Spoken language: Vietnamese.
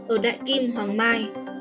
ở đại kim hoàng mai